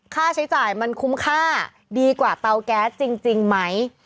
ค่าใช้จ่ายมันคุ้มค่าดีกว่าเตาแก๊สจริงไหม